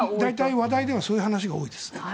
話題ではそういう話が多いです。